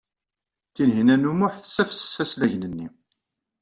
Tinhinan u Muḥ tessafses aslagen-nni.